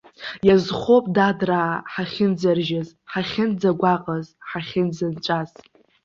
Иазхоуп, дадраа, ҳахьынӡаржьаз, ҳахьынӡагәаҟыз, ҳахьынӡанҵәаз!